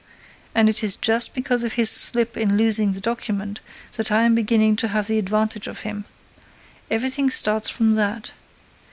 And it is just because of his slip in losing the document that I am beginning to have the advantage of him. Everything starts from that.